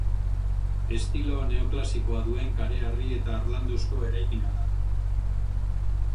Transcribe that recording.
Estilo neoklasikoa duen kareharri eta harlanduzko eraikina da.